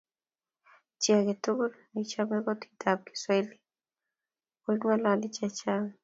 Chi age tugul nechomei kutitab kiswahili ko konyil chechang